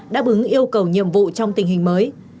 đáp ứng yêu cầu nhiệm vụ trong tình hình mới